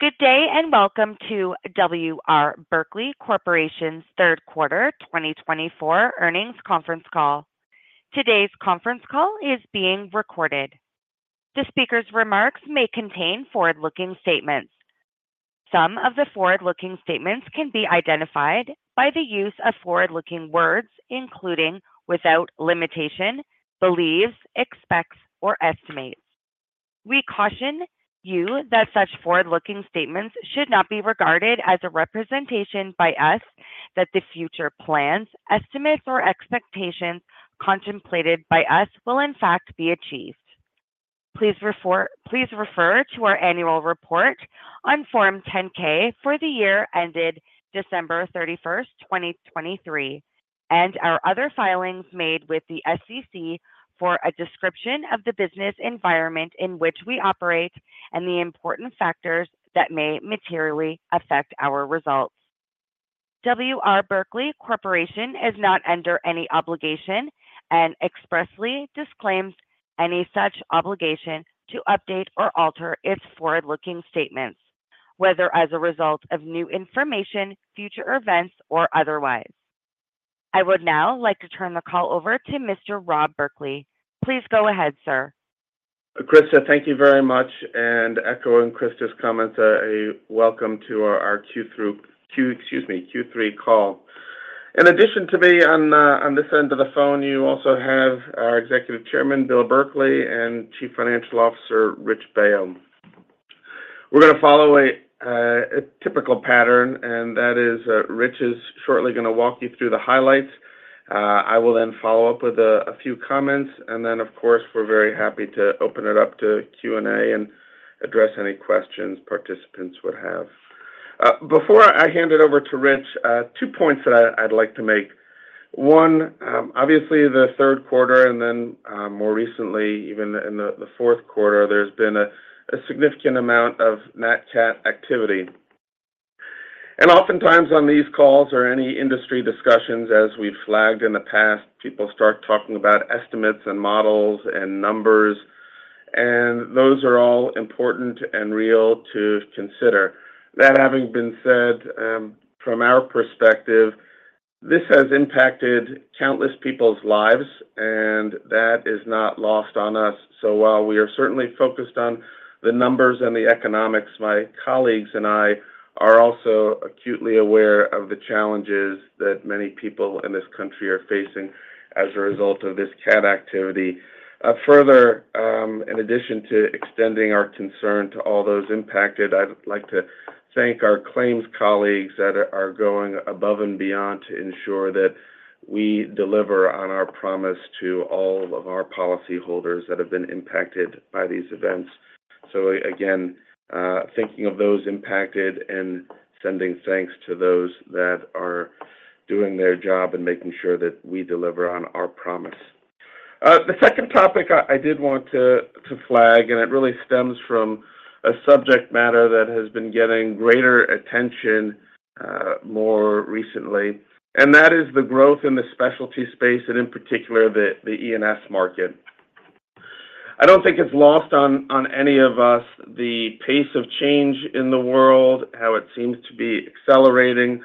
Good day, and welcome to W. R. Berkley Corporation's third quarter 2024 earnings conference call. Today's conference call is being recorded. The speaker's remarks may contain forward-looking statements. Some of the forward-looking statements can be identified by the use of forward-looking words, including, without limitation, believes, expects, or estimates. We caution you that such forward-looking statements should not be regarded as a representation by us that the future plans, estimates, or expectations contemplated by us will in fact be achieved. Please refer to our annual report on Form 10-K for the year ended December 31st, 2023, and our other filings made with the SEC for a description of the business environment in which we operate and the important factors that may materially affect our results. W. R. Berkley Corporation is not under any obligation and expressly disclaims any such obligation to update or alter its forward-looking statements, whether as a result of new information, future events, or otherwise. I would now like to turn the call over to Mr. Rob Berkley. Please go ahead, sir. Krista, thank you very much, and echoing Krista's comments, a welcome to our Q3 call. In addition to me on this end of the phone, you also have our Executive Chairman, Bill Berkley, and Chief Financial Officer, Rich Baio. We're going to follow a typical pattern, and that is, Rich is shortly going to walk you through the highlights. I will then follow up with a few comments, and then, of course, we're very happy to open it up to Q&A and address any questions participants would have. Before I hand it over to Rich, two points that I'd like to make. One, obviously, the third quarter and then, more recently, even in the fourth quarter, there's been a significant amount of nat-CAT activity. And oftentimes on these calls or any industry discussions, as we've flagged in the past, people start talking about estimates and models and numbers, and those are all important and real to consider. That having been said, from our perspective, this has impacted countless people's lives, and that is not lost on us. So while we are certainly focused on the numbers and the economics, my colleagues and I are also acutely aware of the challenges that many people in this country are facing as a result of this cat activity. Further, in addition to extending our concern to all those impacted, I'd like to thank our claims colleagues that are going above and beyond to ensure that we deliver on our promise to all of our policyholders that have been impacted by these events. So again, thinking of those impacted and sending thanks to those that are doing their job and making sure that we deliver on our promise. The second topic I did want to flag, and it really stems from a subject matter that has been getting greater attention, more recently, and that is the growth in the specialty space, and in particular, the E&S market. I don't think it's lost on any of us, the pace of change in the world, how it seems to be accelerating.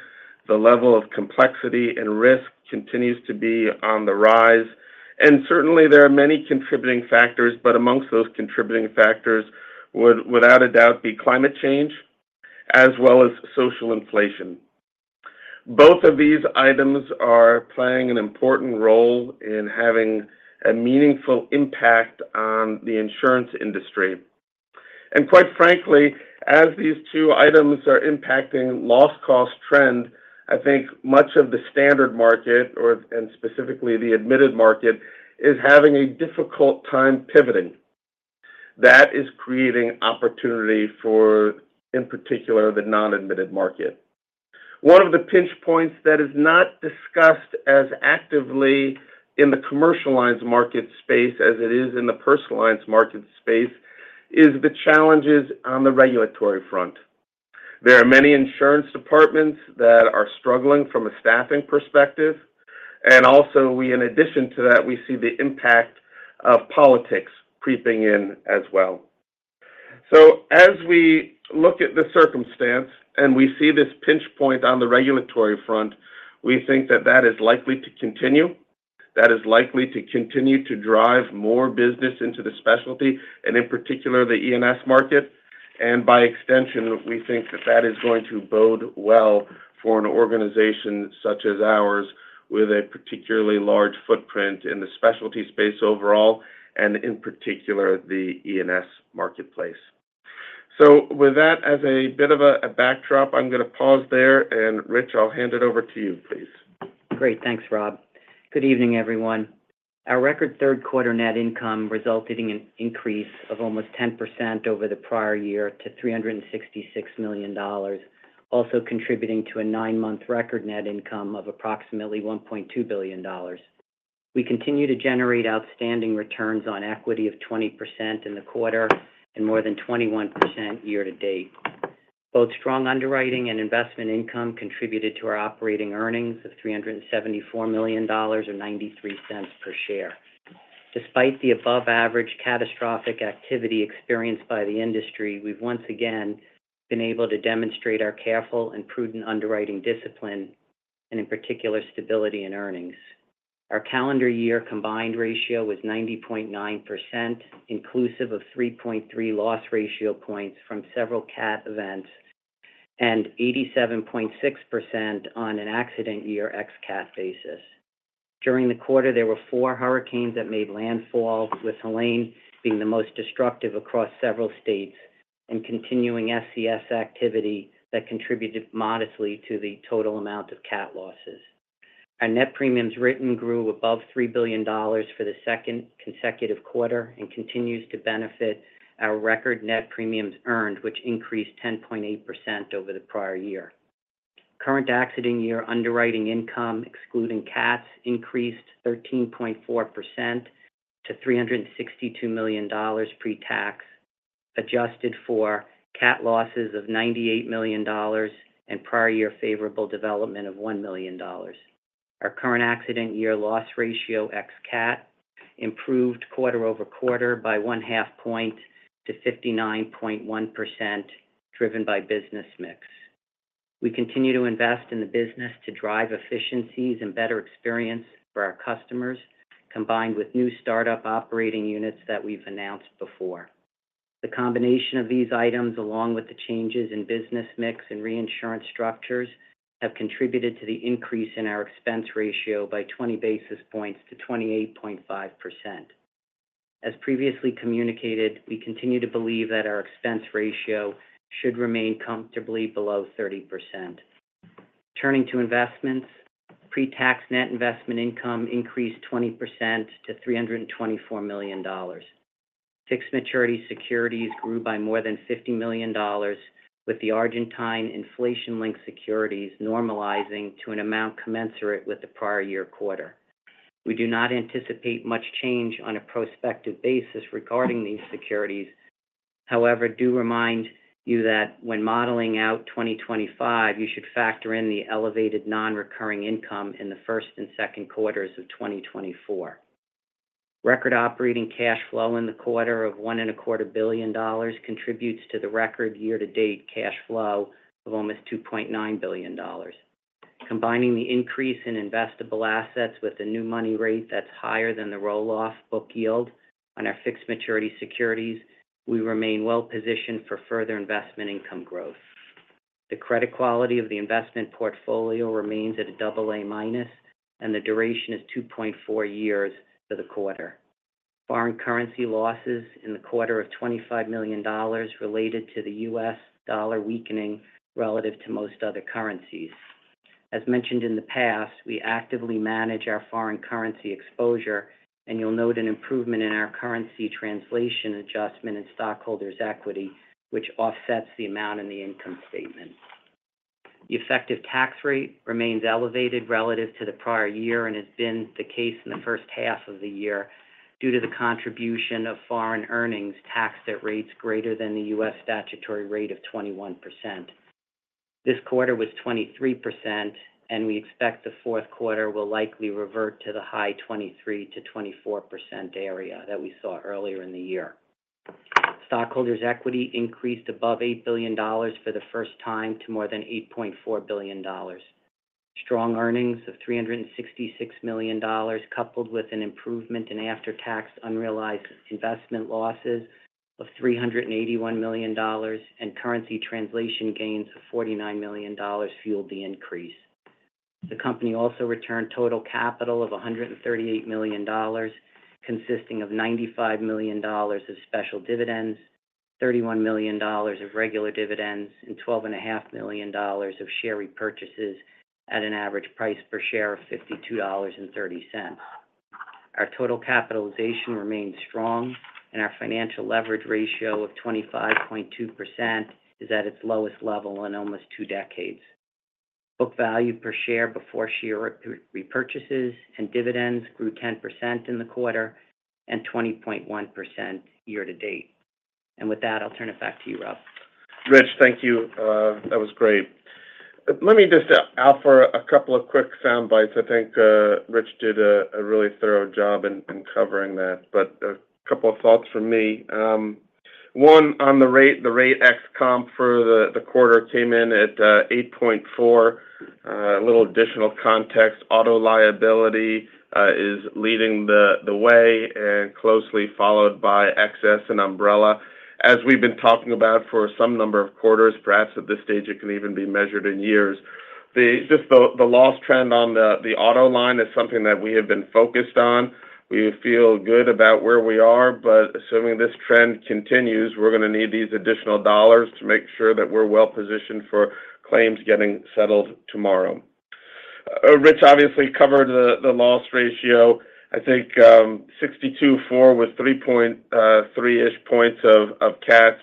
The level of complexity and risk continues to be on the rise, and certainly, there are many contributing factors, but among those contributing factors would, without a doubt, be climate change as well as social inflation. Both of these items are playing an important role in having a meaningful impact on the insurance industry. Quite frankly, as these two items are impacting loss cost trend, I think much of the standard market or and specifically the admitted market is having a difficult time pivoting. That is creating opportunity for, in particular, the non-admitted market. One of the pinch points that is not discussed as actively in the commercial lines market space as it is in the personal lines market space is the challenges on the regulatory front. There are many insurance departments that are struggling from a staffing perspective, and also, in addition to that, we see the impact of politics creeping in as well. As we look at the circumstance and we see this pinch point on the regulatory front, we think that that is likely to continue. That is likely to continue to drive more business into the specialty and in particular, the E&S market. By extension, we think that that is going to bode well for an organization such as ours, with a particularly large footprint in the specialty space overall, and in particular, the E&S marketplace. With that as a bit of a backdrop, I'm going to pause there. Rich, I'll hand it over to you, please. Great. Thanks, Rob. Good evening, everyone. Our record third quarter net income resulted in an increase of almost 10% over the prior year to $366 million, also contributing to a nine-month record net income of approximately $1.2 billion. We continue to generate outstanding returns on equity of 20% in the quarter and more than 21% year to date. Both strong underwriting and investment income contributed to our operating earnings of $374 million or $0.93 per share. Despite the above average catastrophic activity experienced by the industry, we've once again been able to demonstrate our careful and prudent underwriting discipline, and in particular, stability and earnings. Our calendar year combined ratio was 90.9%, inclusive of 3.3 loss ratio points from several cat events, and 87.6% on an accident year ex cat basis. During the quarter, there were four hurricanes that made landfall, with Helene being the most destructive across several states, and continuing SCS activity that contributed modestly to the total amount of cat losses. Our net premiums written grew above $3 billion for the second consecutive quarter and continues to benefit our record net premiums earned, which increased 10.8% over the prior year. Current accident year underwriting income, excluding cats, increased 13.4% to $362 million pre-tax, adjusted for cat losses of $98 million and prior year favorable development of $1 million. Our current accident year loss ratio ex cat improved quarter-over-quarter by 0.5 point to 59.1%, driven by business mix. We continue to invest in the business to drive efficiencies and better experience for our customers, combined with new startup operating units that we've announced before. The combination of these items, along with the changes in business mix and reinsurance structures, have contributed to the increase in our expense ratio by 20 basis points to 28.5%. As previously communicated, we continue to believe that our expense ratio should remain comfortably below 30%. Turning to investments, pre-tax net investment income increased 20% to $324 million. Fixed maturity securities grew by more than $50 million, with the Argentine inflation-linked securities normalizing to an amount commensurate with the prior year quarter. We do not anticipate much change on a prospective basis regarding these securities. However, do remind you that when modeling out 2025, you should factor in the elevated non-recurring income in the first and second quarters of 2024. Record operating cash flow in the quarter of $1.25 billion contributes to the record year-to-date cash flow of almost $2.9 billion. Combining the increase in investable assets with a new money rate that's higher than the roll-off book yield on our fixed maturity securities, we remain well positioned for further investment income growth. The credit quality of the investment portfolio remains at a double A minus, and the duration is 2.4 years for the quarter. Foreign currency losses in the quarter of $25 million related to the U.S. dollar weakening relative to most other currencies. As mentioned in the past, we actively manage our foreign currency exposure, and you'll note an improvement in our currency translation adjustment and stockholders' equity, which offsets the amount in the income statement. The effective tax rate remains elevated relative to the prior year, and has been the case in the first half of the year due to the contribution of foreign earnings taxed at rates greater than the U.S. statutory rate of 21%. This quarter was 23%, and we expect the fourth quarter will likely revert to the high 23%-24% area that we saw earlier in the year. Stockholders' equity increased above $8 billion for the first time to more than $8.4 billion. Strong earnings of $366 million, coupled with an improvement in after-tax unrealized investment losses of $381 million and currency translation gains of $49 million fueled the increase. The company also returned total capital of $138 million, consisting of $95 million of special dividends, $31 million of regular dividends, and $12.5 million of share repurchases at an average price per share of $52.30. Our total capitalization remains strong, and our financial leverage ratio of 25.2% is at its lowest level in almost two decades. Book value per share before share repurchases and dividends grew 10% in the quarter and 20.1% year to date, and with that, I'll turn it back to you, Rob. Rich, thank you. That was great. Let me just offer a couple of quick sound bites. I think, Rich did a really thorough job in covering that, but a couple of thoughts from me. One, on the rate, the rate ex comp for the quarter came in at eight point four. A little additional context. Auto Liability is leading the way and closely followed by Excess and Umbrella. As we've been talking about for some number of quarters, perhaps at this stage, it can even be measured in years, just the loss trend on the auto line is something that we have been focused on. We feel good about where we are, but assuming this trend continues, we're gonna need these additional dollars to make sure that we're well-positioned for claims getting settled tomorrow. Rich obviously covered the loss ratio. I think, 62.4% with 3.3-ish points of cats.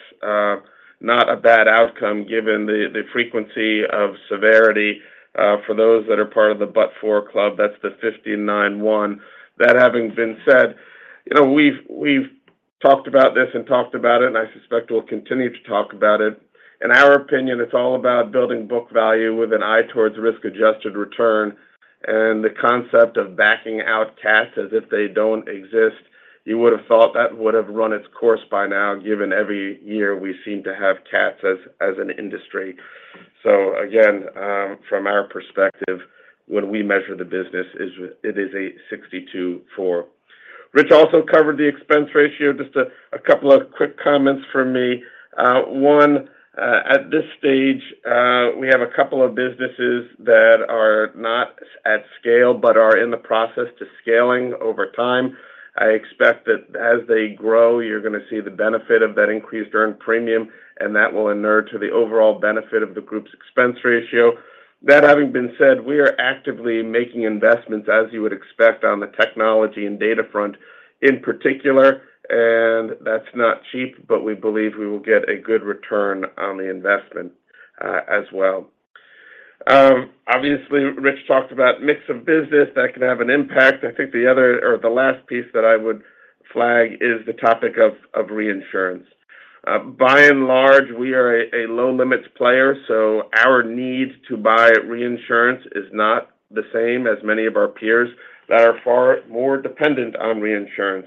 Not a bad outcome, given the frequency of severity for those that are part of the sub-four club, that's the 59.1. That having been said, you know, we've talked about this and talked about it, and I suspect we'll continue to talk about it. In our opinion, it's all about building book value with an eye towards risk-adjusted return and the concept of backing out cats as if they don't exist. You would have thought that would have run its course by now, given every year we seem to have cats as an industry. So again, from our perspective, when we measure the business, it is a 62.4%. Rich also covered the expense ratio. Just a couple of quick comments from me. One, at this stage, we have a couple of businesses that are not at scale, but are in the process to scaling over time. I expect that as they grow, you're going to see the benefit of that increased earned premium, and that will inure to the overall benefit of the group's expense ratio. That having been said, we are actively making investments, as you would expect, on the technology and data front in particular, and that's not cheap, but we believe we will get a good return on the investment, as well. Obviously, Rich talked about mix of business. That can have an impact. I think the other or the last piece that I would flag is the topic of reinsurance. By and large, we are a low limits player, so our need to buy reinsurance is not the same as many of our peers that are far more dependent on reinsurance.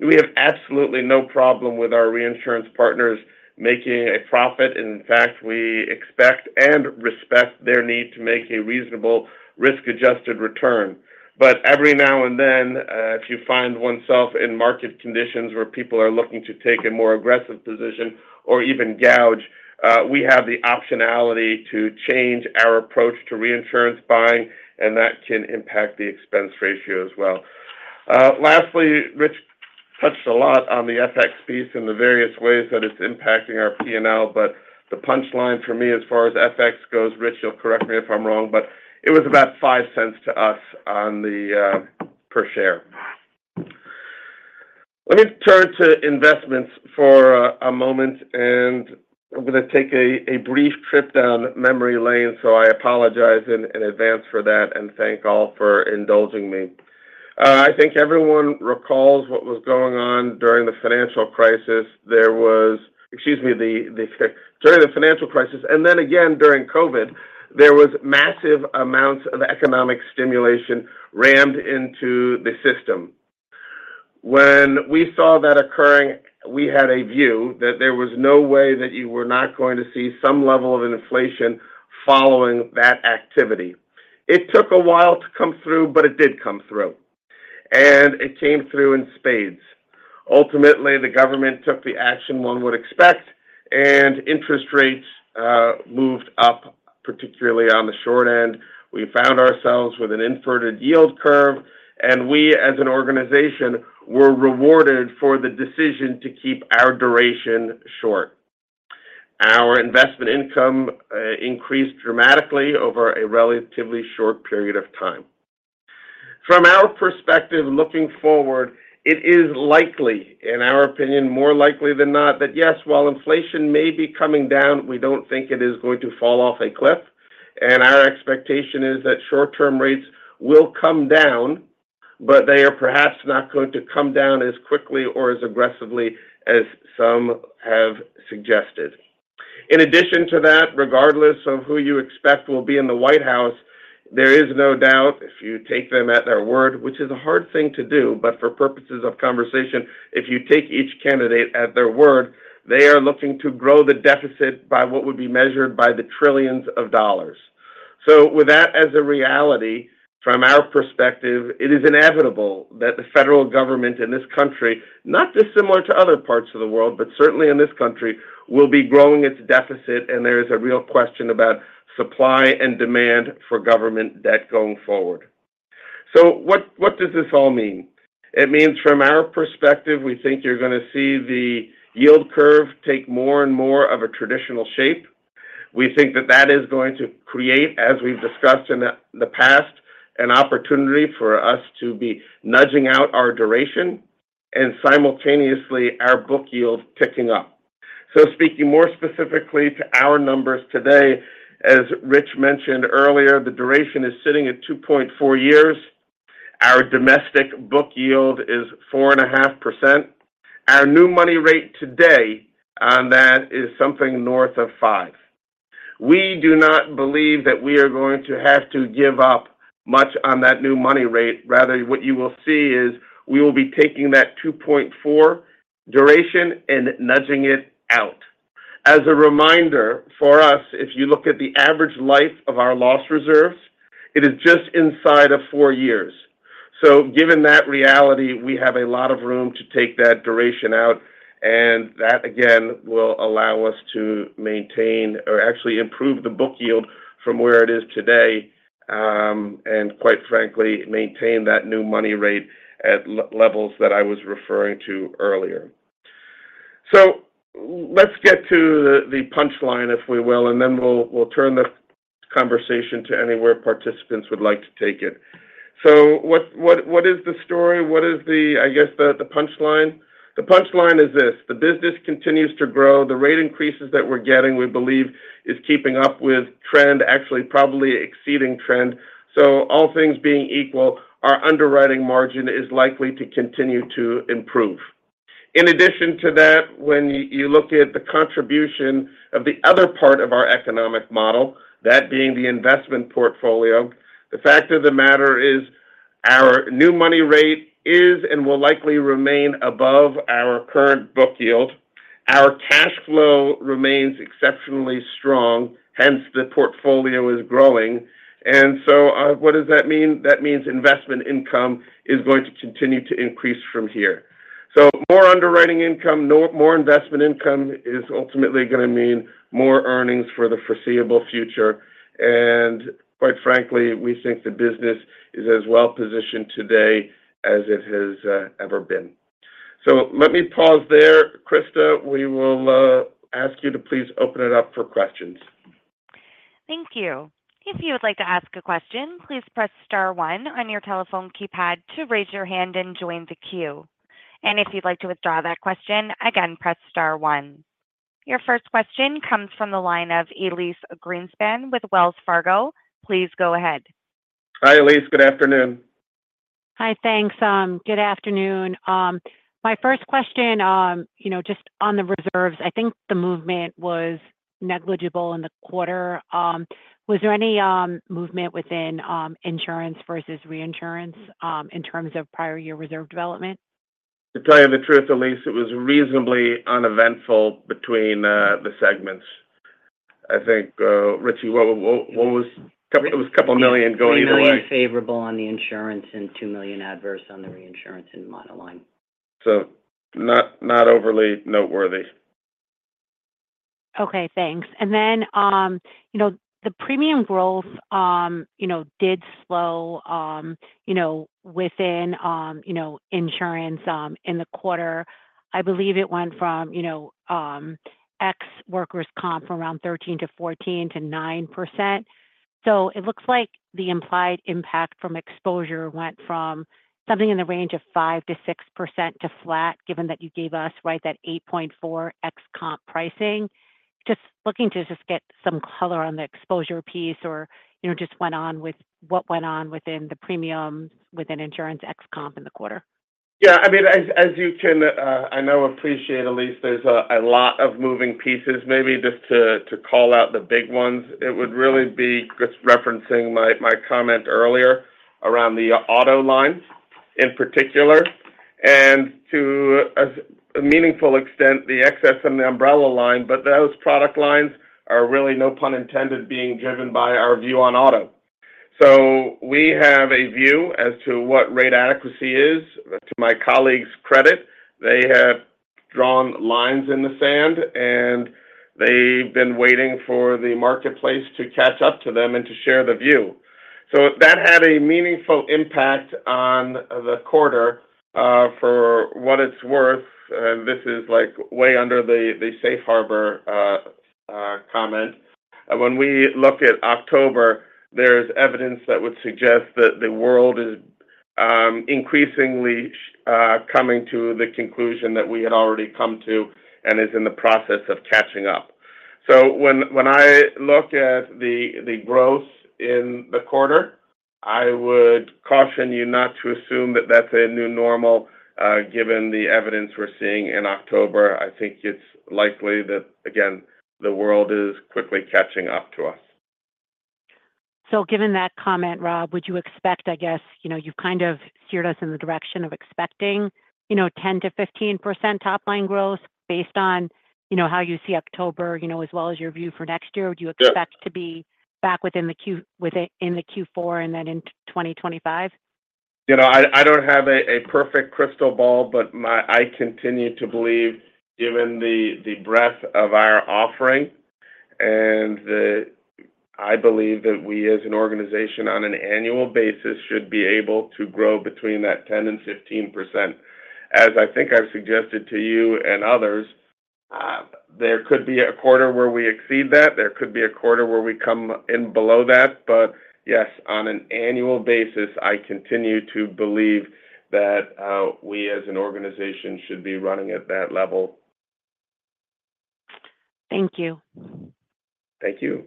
We have absolutely no problem with our reinsurance partners making a profit. In fact, we expect and respect their need to make a reasonable risk-adjusted return. But every now and then, if you find oneself in market conditions where people are looking to take a more aggressive position or even gouge, we have the optionality to change our approach to reinsurance buying, and that can impact the expense ratio as well. Lastly, Rich touched a lot on the FX piece and the various ways that it's impacting our P&L, but the punchline for me as far as FX goes, Rich, you'll correct me if I'm wrong, but it was about $0.05 to us on the per share. Let me turn to investments for a moment, and I'm going to take a brief trip down memory lane, so I apologize in advance for that and thank all for indulging me. I think everyone recalls what was going on during the financial crisis, and then again, during COVID, there was massive amounts of economic stimulation rammed into the system. When we saw that occurring, we had a view that there was no way that you were not going to see some level of inflation following that activity. It took a while to come through, but it did come through, and it came through in spades. Ultimately, the government took the action one would expect, and interest rates moved up, particularly on the short end. We found ourselves with an inverted yield curve, and we, as an organization, were rewarded for the decision to keep our duration short. Our investment income increased dramatically over a relatively short period of time. From our perspective, looking forward, it is likely, in our opinion, more likely than not, that yes, while inflation may be coming down, we don't think it is going to fall off a cliff. Our expectation is that short-term rates will come down, but they are perhaps not going to come down as quickly or as aggressively as some have suggested. In addition to that, regardless of who you expect will be in the White House, there is no doubt, if you take them at their word, which is a hard thing to do, but for purposes of conversation, if you take each candidate at their word, they are looking to grow the deficit by what would be measured by the trillions of dollars. With that as a reality, from our perspective, it is inevitable that the federal government in this country, not dissimilar to other parts of the world, but certainly in this country, will be growing its deficit, and there is a real question about supply and demand for government debt going forward. What, what does this all mean? It means from our perspective, we think you're going to see the yield curve take more and more of a traditional shape. We think that is going to create, as we've discussed in the past, an opportunity for us to be nudging out our duration and simultaneously our book yield ticking up. So speaking more specifically to our numbers today, as Rich mentioned earlier, the duration is sitting at 2.4 years. Our domestic book yield is 4.5%. Our new money rate today on that is something north of 5%. We do not believe that we are going to have to give up much on that new money rate. Rather, what you will see is we will be taking that 2.4 duration and nudging it out. As a reminder, for us, if you look at the average life of our loss reserves, it is just inside of four years. So given that reality, we have a lot of room to take that duration out, and that again, will allow us to maintain or actually improve the book yield from where it is today, and quite frankly, maintain that new money rate at levels that I was referring to earlier. So let's get to the punchline, if we will, and then we'll turn this conversation to anywhere participants would like to take it. So what is the story? What is the, I guess, the punchline? The punchline is this: the business continues to grow. The rate increases that we're getting, we believe, is keeping up with trend, actually, probably exceeding trend. So all things being equal, our underwriting margin is likely to continue to improve. In addition to that, when you look at the contribution of the other part of our economic model, that being the investment portfolio, the fact of the matter is our new money rate is and will likely remain above our current book yield. Our cash flow remains exceptionally strong, hence the portfolio is growing. And so, what does that mean? That means investment income is going to continue to increase from here. So more underwriting income, more investment income is ultimately going to mean more earnings for the foreseeable future. And quite frankly, we think the business is as well-positioned today as it has ever been. So let me pause there. Krista, we will ask you to please open it up for questions. Thank you. If you would like to ask a question, please press star one on your telephone keypad to raise your hand and join the queue. And if you'd like to withdraw that question, again, press star one. Your first question comes from the line of Elyse Greenspan with Wells Fargo. Please go ahead. Hi, Elyse. Good afternoon. Hi. Thanks. Good afternoon. My first question, you know, just on the reserves, I think the movement was negligible in the quarter. Was there any movement within insurance versus reinsurance in terms of prior year reserve development? To tell you the truth, Elyse, it was reasonably uneventful between the segments. I think, Rich, what was it? It was a couple of million going the other way. Favorable on the insurance and $2 million adverse on the reinsurance in monoline. So, not overly noteworthy. Okay, thanks. And then, you know, the premium growth, you know, did slow, you know, within, you know, insurance, in the quarter. I believe it went from, you know, ex-workers' comp from around 13%, 14%-9%. So it looks like the implied impact from exposure went from something in the range of 5%-6% to flat, given that you gave us, righ, that 8.4 ex-comp pricing. Just looking to just get some color on the exposure piece or, you know, just went on with what went on within the premiums with an insurance ex comp in the quarter. Yeah, I mean, as you can appreciate, Elyse, there's a lot of moving pieces. Maybe just to call out the big ones, it would really be just referencing my comment earlier around the auto lines in particular, and to a meaningful extent, the excess and the umbrella line. But those product lines are really, no pun intended, being driven by our view on auto. So we have a view as to what rate adequacy is. To my colleagues' credit, they have drawn lines in the sand, and they've been waiting for the marketplace to catch up to them and to share the view. So that had a meaningful impact on the quarter. For what it's worth, this is, like, way under the Safe Harbor comment. When we look at October, there is evidence that would suggest that the world is increasingly coming to the conclusion that we had already come to and is in the process of catching up. So when I look at the growth in the quarter, I would caution you not to assume that that's a new normal, given the evidence we're seeing in October. I think it's likely that, again, the world is quickly catching up to us. So given that comment, Rob, would you expect, I guess-- You know, you've kind of steered us in the direction of expecting, you know, 10%-15% top line growth based on, you know, how you see October, you know, as well as your view for next year. Yeah. Would you expect to be back within the Q4 and then in 2025? You know, I don't have a perfect crystal ball, but I continue to believe, given the breadth of our offering, and I believe that we, as an organization on an annual basis, should be able to grow between that 10% and 15%. As I think I've suggested to you and others, there could be a quarter where we exceed that, there could be a quarter where we come in below that. But yes, on an annual basis, I continue to believe that we, as an organization, should be running at that level. Thank you. Thank you.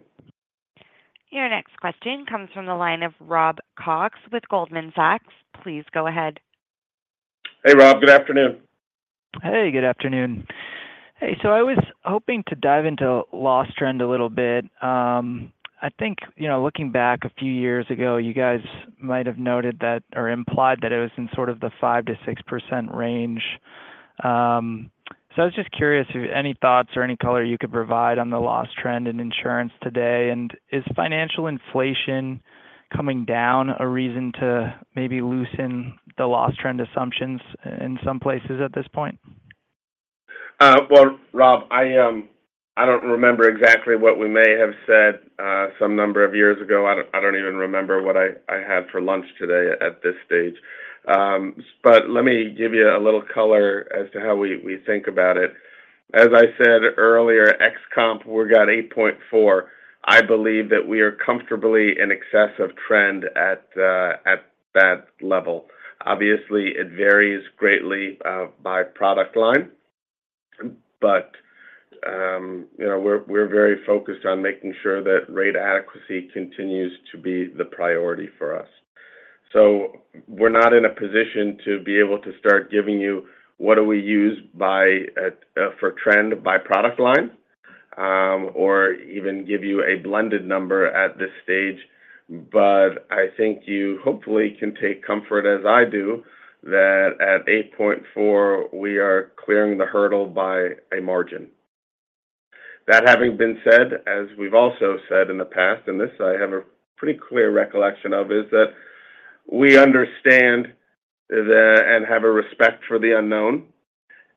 Your next question comes from the line of Rob Cox with Goldman Sachs. Please go ahead. Hey, Rob. Good afternoon. Hey, good afternoon. Hey, so I was hoping to dive into loss trend a little bit. I think, you know, looking back a few years ago, you guys might have noted that or implied that it was in sort of the 5%-6% range. So, I was just curious if any thoughts or any color you could provide on the loss trend in insurance today, and is financial inflation coming down a reason to maybe loosen the loss trend assumptions in some places at this point? Well, Rob, I don't remember exactly what we may have said some number of years ago. I don't even remember what I had for lunch today at this stage. But let me give you a little color as to how we think about it. As I said earlier, ex comp, we've got 8.4. I believe that we are comfortably in excess of trend at that level. Obviously, it varies greatly by product line, but. You know, we're very focused on making sure that rate adequacy continues to be the priority for us. So we're not in a position to be able to start giving you what do we use by, at, for trend by product line, or even give you a blended number at this stage. But I think you hopefully can take comfort, as I do, that at eight point four, we are clearing the hurdle by a margin. That having been said, as we've also said in the past, and this I have a pretty clear recollection of, is that we understand the and have a respect for the unknown.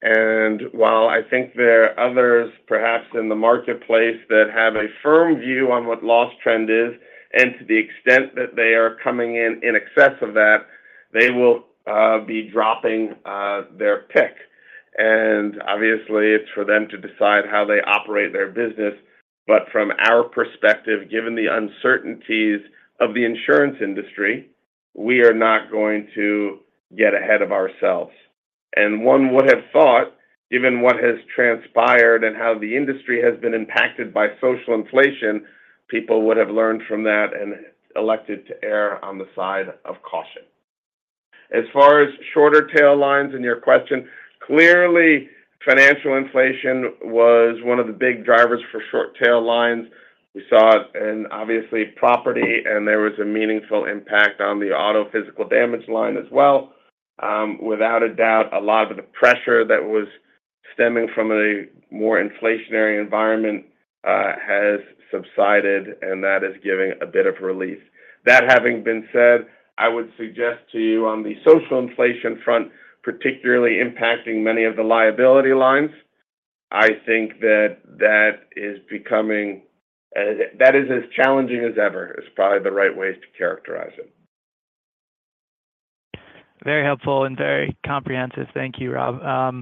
And while I think there are others, perhaps in the marketplace, that have a firm view on what loss trend is, and to the extent that they are coming in in excess of that, they will be dropping their pick. And obviously, it's for them to decide how they operate their business. But from our perspective, given the uncertainties of the insurance industry, we are not going to get ahead of ourselves. One would have thought, given what has transpired and how the industry has been impacted by social inflation, people would have learned from that and elected to err on the side of caution. As far as shorter tail lines in your question, clearly, financial inflation was one of the big drivers for short tail lines. We saw it in, obviously, property, and there was a meaningful impact on the auto physical damage line as well. Without a doubt, a lot of the pressure that was stemming from a more inflationary environment has subsided, and that is giving a bit of relief. That having been said, I would suggest to you on the social inflation front, particularly impacting many of the liability lines, I think that is becoming as challenging as ever, is probably the right way to characterize it. Very helpful and very comprehensive. Thank you, Rob.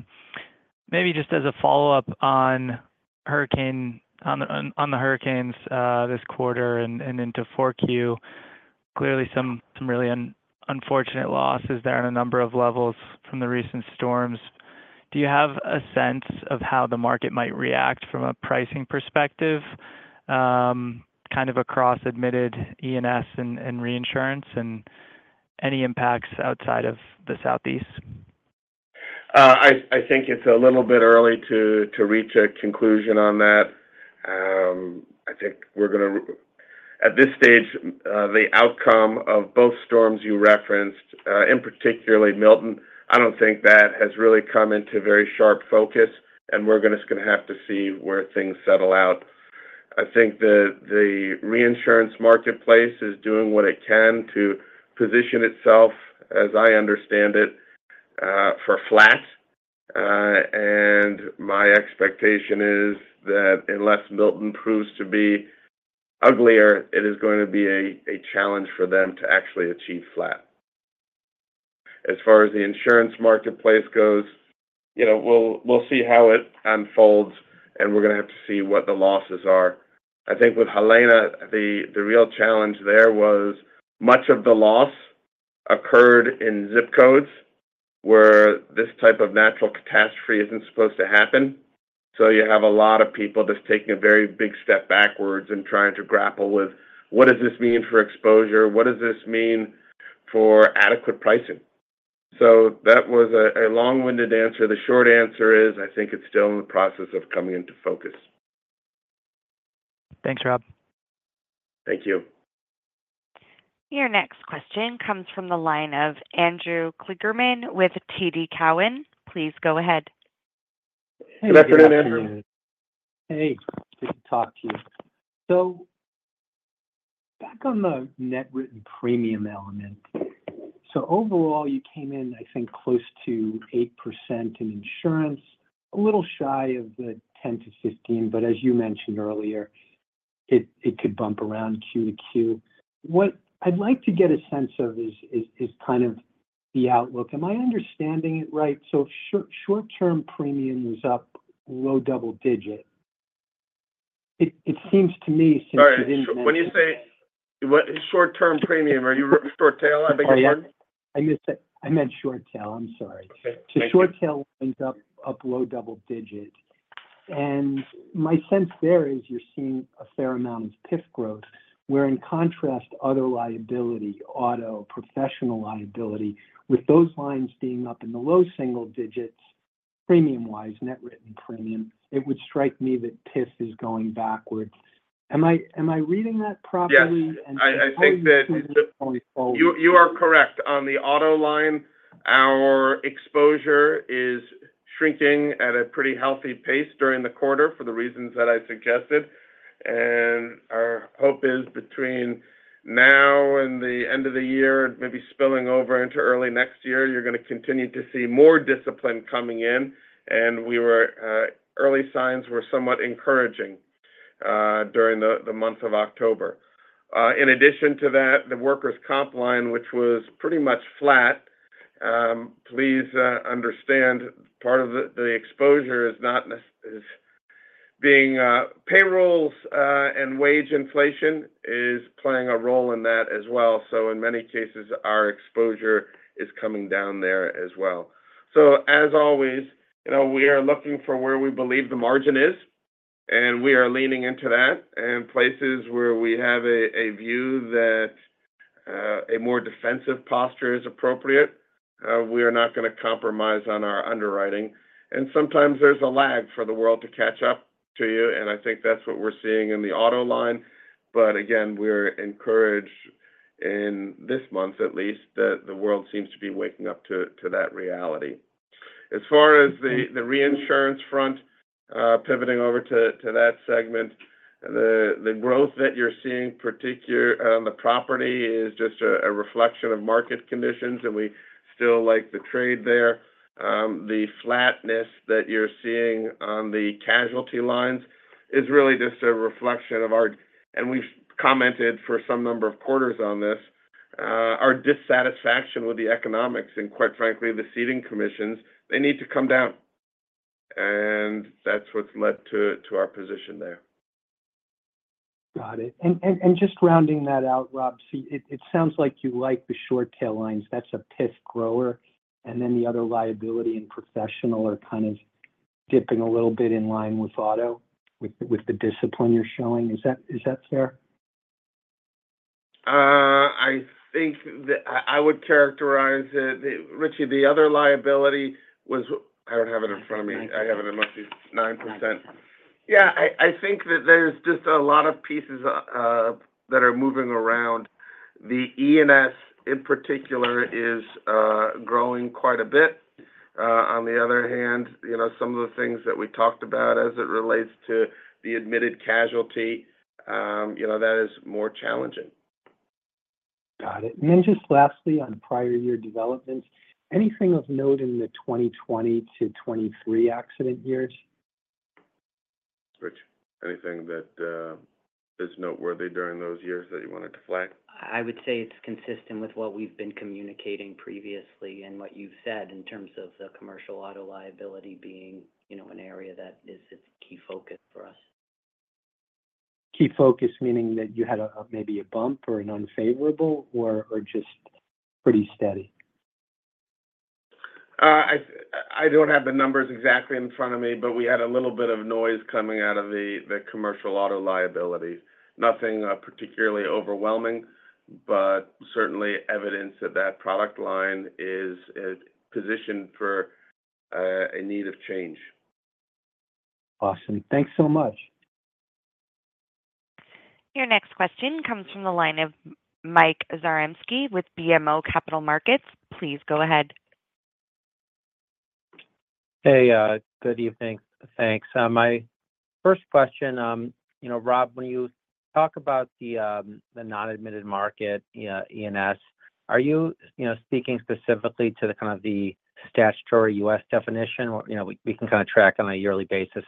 Maybe just as a follow-up on the hurricanes this quarter and into Q4, clearly some really unfortunate losses there on a number of levels from the recent storms. Do you have a sense of how the market might react from a pricing perspective, kind of across admitted E&S and reinsurance and any impacts outside of the Southeast? I think it's a little bit early to reach a conclusion on that. I think we're going to. At this stage, the outcome of both storms you referenced, and particularly Milton, I don't think that has really come into very sharp focus, and we're just going to have to see where things settle out. I think the reinsurance marketplace is doing what it can to position itself, as I understand it, for flat. And my expectation is that unless Milton proves to be uglier, it is going to be a challenge for them to actually achieve flat. As far as the insurance marketplace goes, you know, we'll see how it unfolds, and we're going to have to see what the losses are. I think with Helene, the real challenge there was much of the loss occurred in zip codes where this type of natural catastrophe isn't supposed to happen. So you have a lot of people just taking a very big step backwards and trying to grapple with: What does this mean for exposure? What does this mean for adequate pricing? So that was a long-winded answer. The short answer is, I think it's still in the process of coming into focus. Thanks, Rob. Thank you. Your next question comes from the line of Andrew Kligerman with TD Cowen. Please go ahead. Good afternoon, Andrew. Hey, good to talk to you. So back on the net written premium element. So overall, you came in, I think, close to 8% in insurance, a little shy of the 10%-15%, but as you mentioned earlier, it could bump around Q to Q. What I'd like to get a sense of is kind of the outlook. Am I understanding it right? So short-term premium is up low double digit. It seems to me since- All right. When you say--- What, short-term premium, are you short tail? I beg your pardon? I missed it. I meant short tail. I'm sorry. Okay. Thank you. Short tail is up in low double digits. My sense there is you're seeing a fair amount of PIF growth, where, in contrast, other liability, auto, professional liability, with those lines being up in the low single digits, premium-wise, net written premium, it would strike me that PIF is going backwards. Am I, am I reading that properly? Yes, I think that. How are you moving forward? You are correct. On the auto line, our exposure is shrinking at a pretty healthy pace during the quarter for the reasons that I suggested. Our hope is between now and the end of the year, maybe spilling over into early next year, you're going to continue to see more discipline coming in, and early signs were somewhat encouraging during the month of October. In addition to that, the workers' comp line, which was pretty much flat, please understand part of the exposure is being payrolls and wage inflation is playing a role in that as well. In many cases, our exposure is coming down there as well. As always, you know, we are looking for where we believe the margin is, and we are leaning into that. And places where we have a view that a more defensive posture is appropriate, we are not going to compromise on our underwriting. And sometimes there's a lag for the world to catch up to you, and I think that's what we're seeing in the auto line. But again, we're encouraged in this month at least, that the world seems to be waking up to that reality. As far as the reinsurance front, pivoting over to that segment, the growth that you're seeing, particularly on the property, is just a reflection of market conditions, and we still like the trade there. The flatness that you're seeing on the casualty lines is really just a reflection of our, and we've commented for some number of quarters on this, our dissatisfaction with the economics and, quite frankly, the ceding commissions. They need to come down, and that's what's led to our position there. Got it. And just rounding that out, Rob, so it sounds like you like the short tail lines. That's a PIF grower, and then the other liability and professional are kind of dipping a little bit in line with auto, with the discipline you're showing. Is that fair? I think that I would characterize it, Richie, the other liability was-- I don't have it in front of me. I have it must be 9%. Yeah, I think that there's just a lot of pieces that are moving around. The E&S in particular is growing quite a bit. On the other hand, you know, some of the things that we talked about as it relates to the admitted casualty, you know, that is more challenging. Got it. And just lastly, on prior year developments, anything of note in the 2020 to 2023 accident years? Rich, anything that is noteworthy during those years that you wanted to flag? I would say it's consistent with what we've been communicating previously and what you've said in terms of the commercial auto liability being, you know, an area that is a key focus for us. Key focus, meaning that you had maybe a bump or an unfavorable, or just pretty steady? I don't have the numbers exactly in front of me, but we had a little bit of noise coming out of the commercial auto liability. Nothing particularly overwhelming, but certainly evidence that that product line is positioned for a need of change. Awesome. Thanks so much. Your next question comes from the line of Mike Zaremski with BMO Capital Markets. Please go ahead. Hey, good evening. Thanks. My first question, you know, Rob, when you talk about the non-admitted market, you know, E&S, are you, you know, speaking specifically to the kind of the statutory U.S. definition? Or, you know, we can kind of track on a yearly basis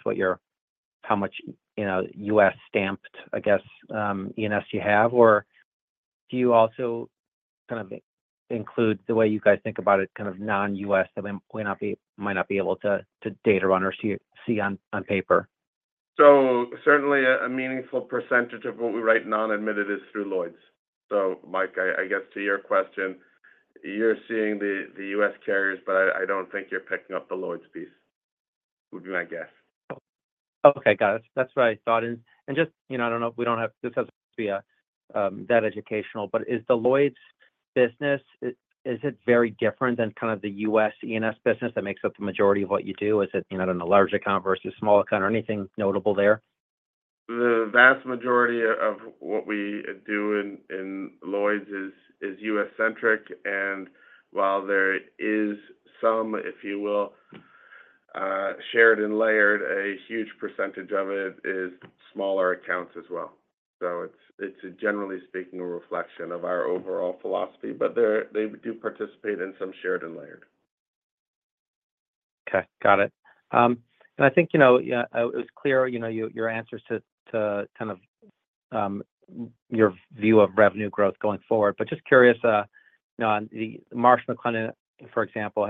how much, you know, U.S. stamped, I guess, E&S you have. Or do you also kind of include the way you guys think about it, kind of non-US, that might not be able to data run or see on paper? So certainly a meaningful percentage of what we write non-admitted is through Lloyd's. So Mike, I guess to your question, you're seeing the U.S. carriers, but I don't think you're picking up the Lloyd's piece, would be my guess. Okay, got it. That's what I thought. And just, you know, I don't know if this has to be that educational, but is the Lloyd's business, is it very different than kind of the U.S. E&S business that makes up the majority of what you do? Is it, you know, in a large account versus small account or anything notable there? The vast majority of what we do in Lloyd's is U.S.-centric, and while there is some, if you will, shared and layered, a huge percentage of it is smaller accounts as well. So it's, generally speaking, a reflection of our overall philosophy, but they do participate in some shared and layered. Okay. Got it. And I think, you know, it was clear, you know, your answers to kind of your view of revenue growth going forward. But just curious, you know, on the Marsh & McLennan, for example,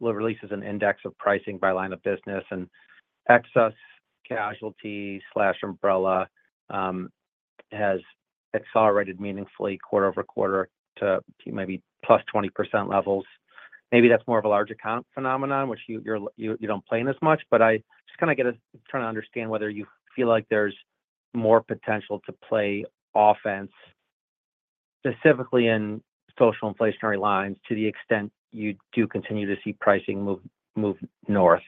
releases an index of pricing by line of business, and excess casualty/umbrella has accelerated meaningfully quarter-over-quarter to maybe +20% levels. Maybe that's more of a large account phenomenon, which you don't play in as much. But I just kind of trying to understand whether you feel like there's more potential to play offense, specifically in social inflationary lines, to the extent you do continue to see pricing move north.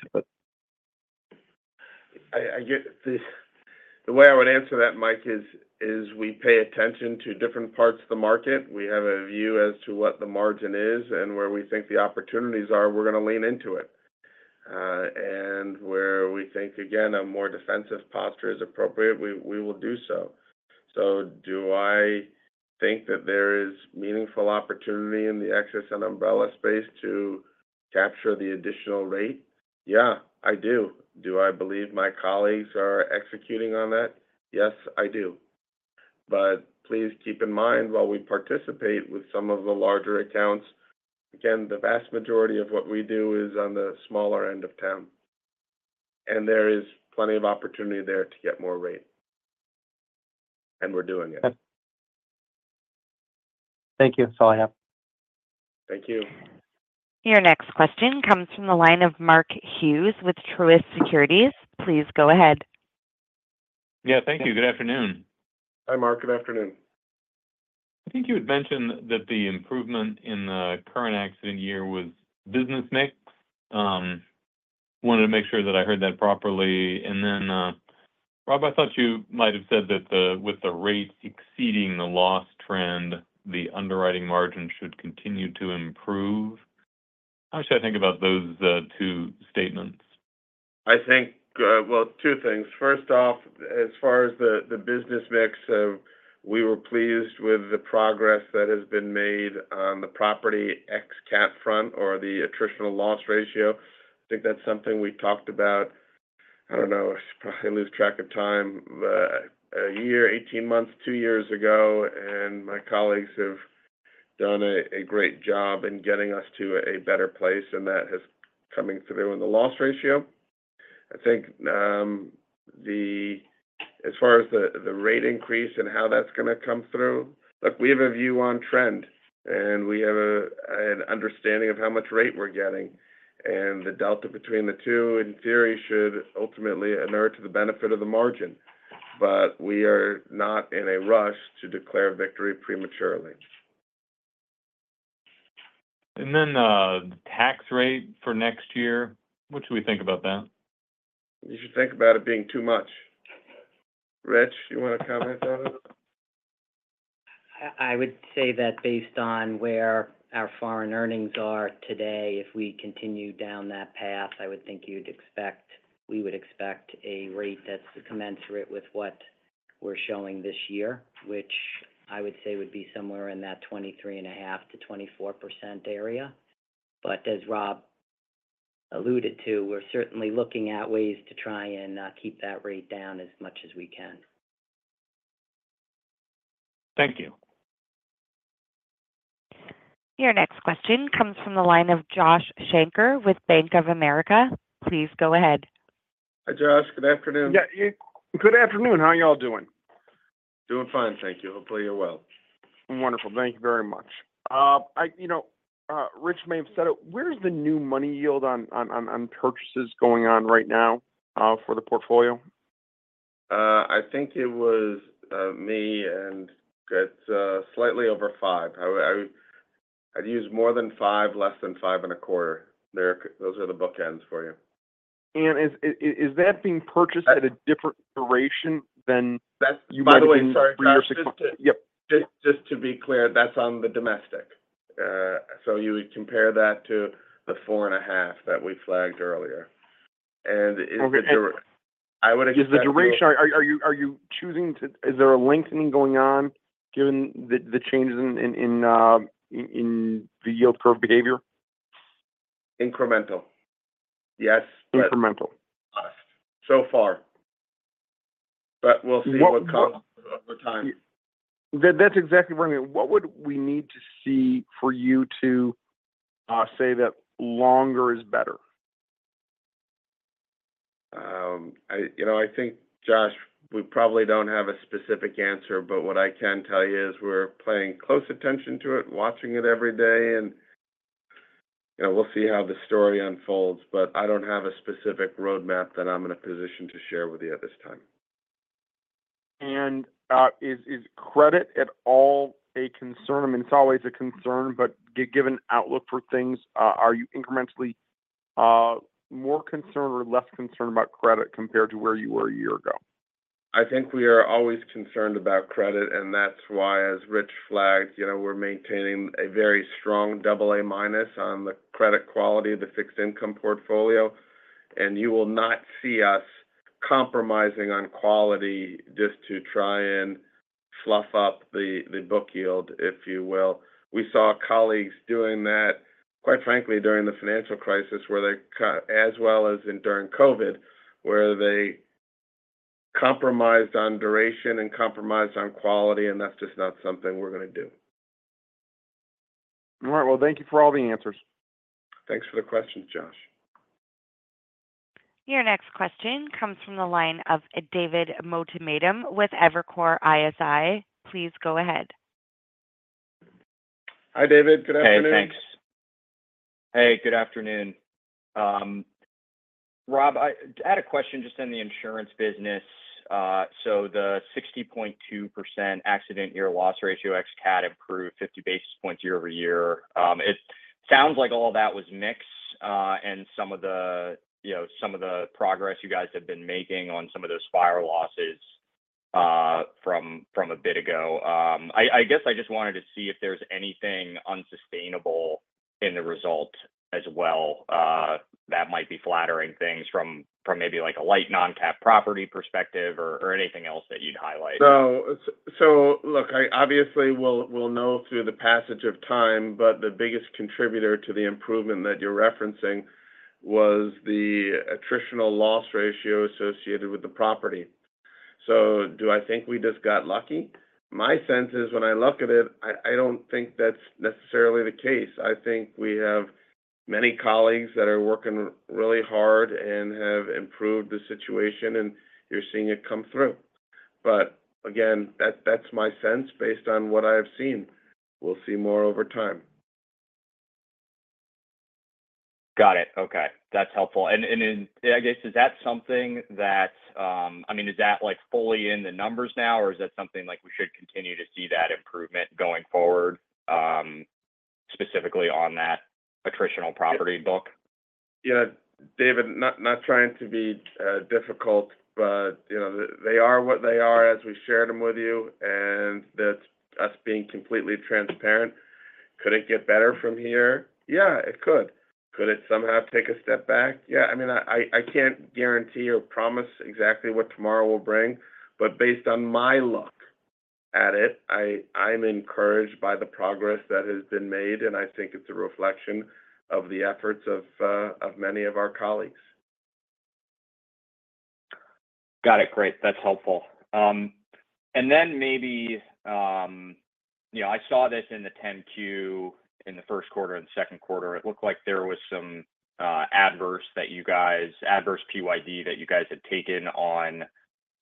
I get the way I would answer that, Mike, is we pay attention to different parts of the market. We have a view as to what the margin is and where we think the opportunities are, we're going to lean into it, and where we think, again, a more defensive posture is appropriate, we will do so, so do I think that there is meaningful opportunity in the Excess and Umbrella space to capture the additional rate? Yeah, I do. Do I believe my colleagues are executing on that? Yes, I do, but please keep in mind, while we participate with some of the larger accounts, again, the vast majority of what we do is on the smaller end of town, and there is plenty of opportunity there to get more rate, and we're doing it. Thank you. That's all I have. Thank you. Your next question comes from the line of Mark Hughes with Truist Securities. Please go ahead. Yeah, thank you. Good afternoon. Hi, Mark. Good afternoon. I think you had mentioned that the improvement in the current accident year was business mix. Wanted to make sure that I heard that properly. And then, Rob, I thought you might have said that with the rates exceeding the loss trend, the underwriting margin should continue to improve. How should I think about those two statements? I think, well, two things. First off, as far as the business mix, we were pleased with the progress that has been made on the property ex-cat front or the attritional loss ratio. I think that's something we talked about. I don't know, I probably lose track of time, but a year, eighteen months, two years ago, and my colleagues have done a great job in getting us to a better place, and that has coming through in the loss ratio. I think, as far as the rate increase and how that's gonna come through, look, we have a view on trend, and we have an understanding of how much rate we're getting, and the delta between the two, in theory, should ultimately inure to the benefit of the margin. But we are not in a rush to declare victory prematurely. And then, the tax rate for next year, what should we think about that? You should think about it being too much. Rich, you want to comment on it? I would say that based on where our foreign earnings are today, if we continue down that path, I would think you'd expect, we would expect a rate that's commensurate with what we're showing this year, which I would say would be somewhere in that 23.5%-24% area. But as Rob alluded to, we're certainly looking at ways to try and keep that rate down as much as we can. Thank you. Your next question comes from the line of Josh Shanker with Bank of America. Please go ahead. Hi, Josh. Good afternoon. Yeah, good afternoon. How are you all doing? Doing fine, thank you. Hopefully, you're well. Wonderful. Thank you very much. I, you know, Rich may have said it: Where's the new money yield on purchases going on right now, for the portfolio? I think it was me, and it's slightly over five. I'd use more than five, less than five and 1/4. Those are the bookends for you. Is that being purchased at a different duration than? That's, by the way, sorry, Josh. Yep. Just, just to be clear, that's on the domestic. So you would compare that to the four and a half that we flagged earlier. And is the dur-- Okay. I would expect... ...is the duration, are you choosing to-- Is there a lengthening going on given the changes in the yield curve behavior? ...incremental. Yes- Incremental. So far. But we'll see what comes over time. That, that's exactly what I mean. What would we need to see for you to say that longer is better? You know, I think, Josh, we probably don't have a specific answer, but what I can tell you is we're paying close attention to it, watching it every day, and, you know, we'll see how the story unfolds, but I don't have a specific roadmap that I'm in a position to share with you at this time. Is credit at all a concern? I mean, it's always a concern, but given outlook for things, are you incrementally more concerned or less concerned about credit compared to where you were a year ago? I think we are always concerned about credit, and that's why, as Rich flagged, you know, we're maintaining a very strong double A minus on the credit quality of the fixed income portfolio, and you will not see us compromising on quality just to try and fluff up the book yield, if you will. We saw colleagues doing that, quite frankly, during the financial crisis, where they as well as during COVID, where they compromised on duration and compromised on quality, and that's just not something we're going to do. All right. Well, thank you for all the answers. Thanks for the question, Josh. Your next question comes from the line of David Motemaden with Evercore ISI. Please go ahead. Hi, David. Good afternoon. Hey, thanks. Hey, good afternoon. Rob, I had a question just in the insurance business. So the 60.2% accident year loss ratio ex-cat improved 50 basis points year-over-year. It sounds like all that was mix, and some of the, you know, some of the progress you guys have been making on some of those fire losses, from a bit ago. I guess I just wanted to see if there's anything unsustainable in the result as well, that might be flattering things from, maybe, like, a light non-cat property perspective or anything else that you'd highlight. So, look, I obviously will know through the passage of time, but the biggest contributor to the improvement that you're referencing was the attritional loss ratio associated with the property. Do I think we just got lucky? My sense is, when I look at it, I don't think that's necessarily the case. I think we have many colleagues that are working really hard and have improved the situation, and you're seeing it come through. But again, that's my sense based on what I have seen. We'll see more over time. Got it. Okay, that's helpful. And then, I guess, is that something that I mean, is that, like, fully in the numbers now, or is that something like we should continue to see that improvement going forward, specifically on that attritional property book? You know, David, not trying to be difficult, but you know, they are what they are, as we shared them with you, and that's us being completely transparent. Could it get better from here? Yeah, it could. Could it somehow take a step back? Yeah. I mean, I can't guarantee or promise exactly what tomorrow will bring, but based on my look at it, I'm encouraged by the progress that has been made, and I think it's a reflection of the efforts of many of our colleagues. Got it. Great. That's helpful. And then maybe, you know, I saw this in the 10-Q in the first quarter and second quarter. It looked like there was some adverse PYD that you guys had taken on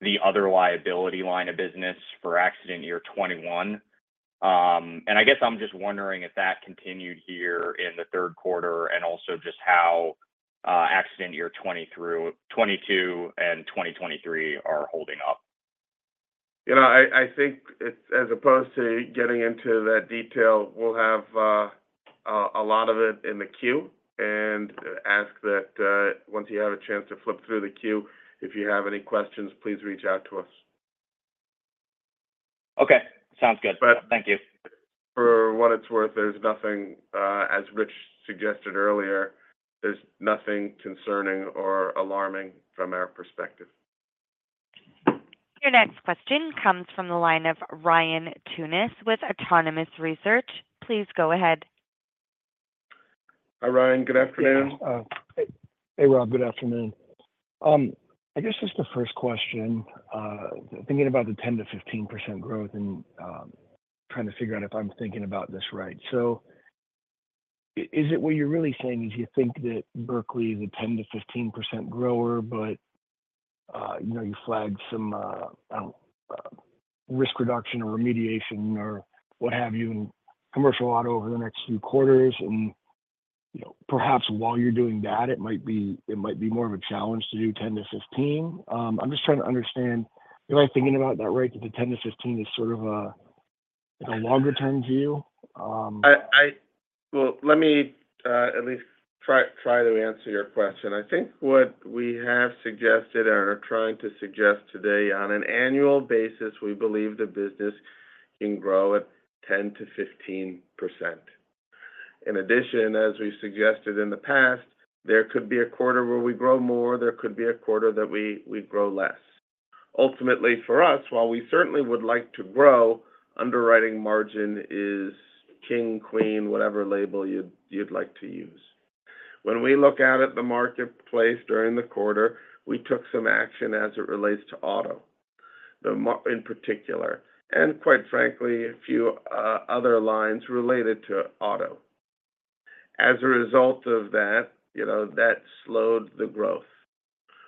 the other liability line of business for accident year 2021. And I guess I'm just wondering if that continued here in the third quarter and also just how accident year 2020 through 2022 and 2023 are holding up. You know, I think it's as opposed to getting into that detail. We'll have a lot of it in the queue and ask that once you have a chance to flip through the queue, if you have any questions, please reach out to us. Okay, sounds good. But- Thank you. For what it's worth, there's nothing, as Rich suggested earlier, there's nothing concerning or alarming from our perspective. Your next question comes from the line of Ryan Tunis with Autonomous Research. Please go ahead. Hi, Ryan. Good afternoon. Hey, Rob. Good afternoon. I guess just the first question, thinking about the 10%-15% growth and, trying to figure out if I'm thinking about this right. So is it what you're really saying is you think that Berkley is a 10%-15% grower, but, you know, you flagged some, risk reduction or remediation or what have you in commercial auto over the next few quarters, and, you know, perhaps while you're doing that, it might be more of a challenge to do 10%-15%? I'm just trying to understand. Am I thinking about that right, that the 10-15 is sort of a, like a longer-term view, Well, let me at least try to answer your question. I think what we have suggested or are trying to suggest today, on an annual basis, we believe the business can grow at 10%-15%. In addition, as we suggested in the past, there could be a quarter where we grow more, there could be a quarter that we grow less. Ultimately, for us, while we certainly would like to grow, underwriting margin is king, queen, whatever label you'd like to use. When we look out at the marketplace during the quarter, we took some action as it relates to auto, the market in particular, and quite frankly, a few other lines related to auto. As a result of that, you know, that slowed the growth.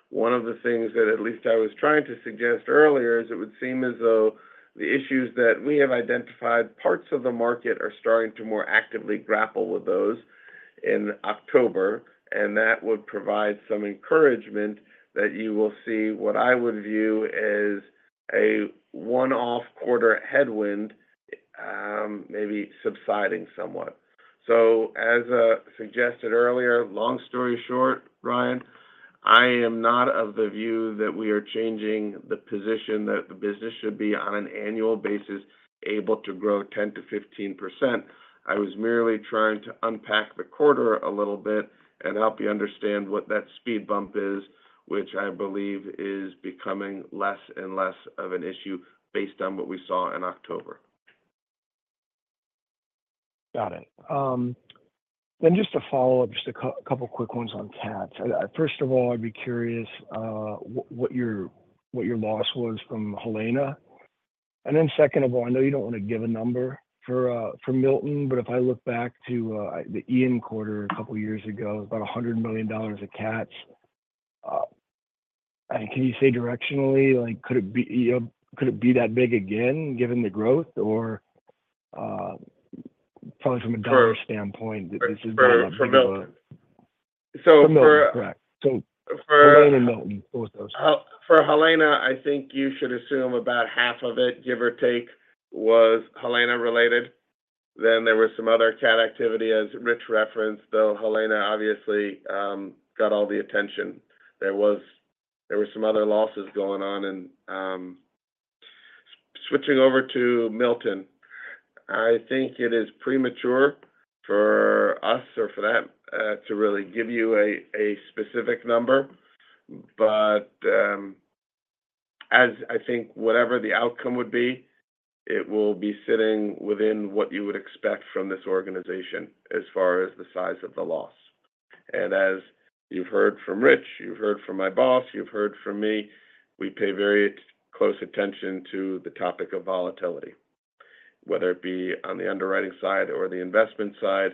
One of the things that at least I was trying to suggest earlier is it would seem as though the issues that we have identified, parts of the market are starting to more actively grapple with those in October, and that would provide some encouragement that you will see what I would view as a one-off quarter headwind, maybe subsiding somewhat. So, as suggested earlier, long story short, Ryan, I am not of the view that we are changing the position that the business should be on an annual basis, able to grow 10-15%. I was merely trying to unpack the quarter a little bit and help you understand what that speed bump is, which I believe is becoming less and less of an issue based on what we saw in October. Got it. Then just a follow-up, just a couple quick ones on cats. First of all, I'd be curious what your loss was from Helene. And then second of all, I know you don't want to give a number for Milton, but if I look back to the Ian quarter a couple of years ago, about $100 million in cats, can you say directionally, like, could it be, you know, could it be that big again, given the growth? Or probably from a dollar standpoint, this is not a- For Milton. For Milton, correct. For- Helene and Milton, both those. For Helene, I think you should assume about half of it, give or take, was Helene-related. Then there were some other cat activity, as Rich referenced, though Helene obviously got all the attention. There were some other losses going on and, switching over to Milton, I think it is premature for us or for them to really give you a specific number. But, as I think whatever the outcome would be, it will be sitting within what you would expect from this organization as far as the size of the loss. And as you've heard from Rich, you've heard from my boss, you've heard from me, we pay very close attention to the topic of volatility... whether it be on the underwriting side or the investment side.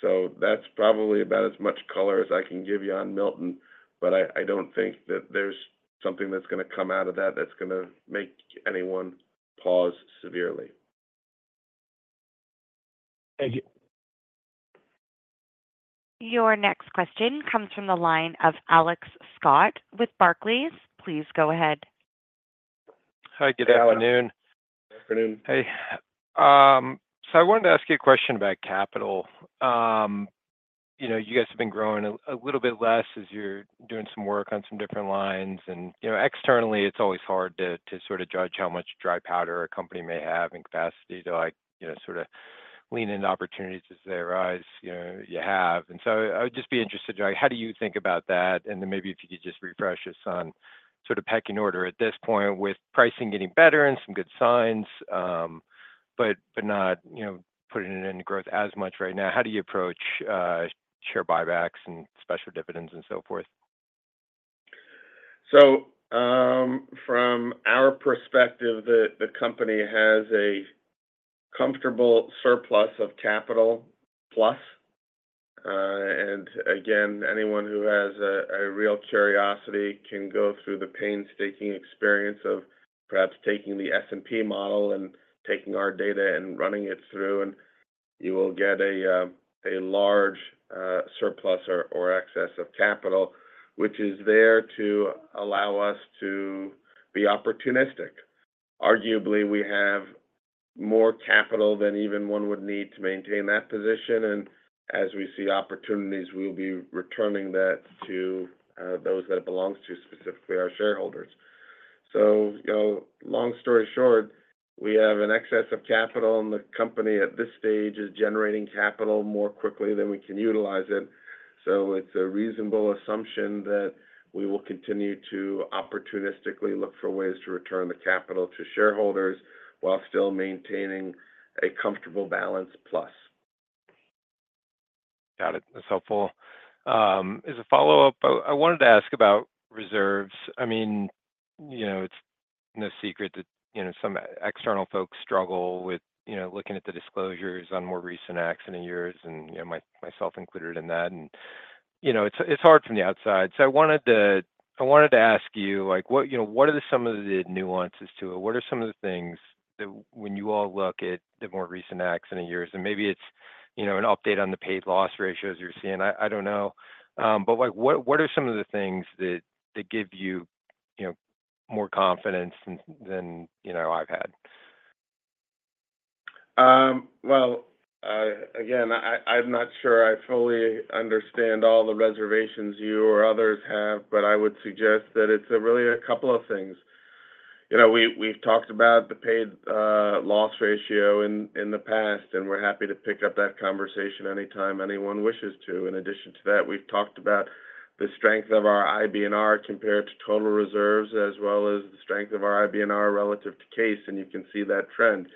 So that's probably about as much color as I can give you on Milton, but I, I don't think that there's something that's going to come out of that, that's going to make anyone pause severely. Thank you. Your next question comes from the line of Alex Scott with Barclays. Please go ahead. Hi, good afternoon. Afternoon. Hey, so I wanted to ask you a question about capital. You know, you guys have been growing a little bit less as you're doing some work on some different lines and, you know, externally, it's always hard to sort of judge how much dry powder a company may have and capacity to, like, you know, sort of lean into opportunities as they arise, you know, you have. And so I would just be interested in, like, how do you think about that? And then maybe if you could just refresh us on sort of pecking order at this point with pricing getting better and some good signs, but not, you know, putting it into growth as much right now. How do you approach share buybacks and special dividends and so forth? So, from our perspective, the company has a comfortable surplus of capital plus. And again, anyone who has a real curiosity can go through the painstaking experience of perhaps taking the S&P model and taking our data and running it through, and you will get a large surplus or excess of capital, which is there to allow us to be opportunistic. Arguably, we have more capital than even one would need to maintain that position, and as we see opportunities, we'll be returning that to those that it belongs to, specifically our shareholders. So, you know, long story short, we have an excess of capital, and the company at this stage is generating capital more quickly than we can utilize it. It's a reasonable assumption that we will continue to opportunistically look for ways to return the capital to shareholders while still maintaining a comfortable balance plus. Got it. That's helpful. As a follow-up, I wanted to ask about reserves. I mean, you know, it's no secret that, you know, some external folks struggle with, you know, looking at the disclosures on more recent accident years and, you know, myself included in that. And, you know, it's hard from the outside. So I wanted to ask you, like, what, you know, what are some of the nuances to it? What are some of the things that when you all look at the more recent accident years, and maybe it's, you know, an update on the paid loss ratios you're seeing, I don't know. But what are some of the things that give you, you know, more confidence than, you know, I've had? Well, again, I'm not sure I fully understand all the reservations you or others have, but I would suggest that it's really a couple of things. You know, we've talked about the paid loss ratio in the past, and we're happy to pick up that conversation anytime anyone wishes to. In addition to that, we've talked about the strength of our IBNR compared to total reserves, as well as the strength of our IBNR relative to case, and you can see that trend.